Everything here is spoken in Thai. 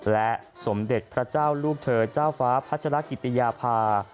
และสมเด็จพระเจ้าลูกเธอเจ้าฟ้าพัชรกิติยาภา